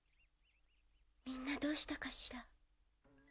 みんなどうしたかしら。